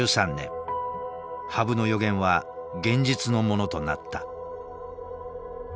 羽生の予言は現実のものとなった。